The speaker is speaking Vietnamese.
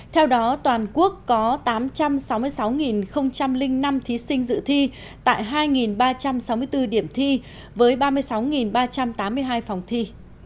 theo đó toàn quốc có tám trăm sáu mươi sáu năm thí sinh dự thi tại hai ba trăm sáu mươi bốn điểm thi với ba mươi sáu ba trăm tám mươi hai phòng thi